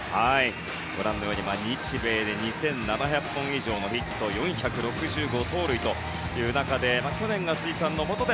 ご覧のように日米で２７００本以上のヒット４６５盗塁という中で去年が辻さんのもとで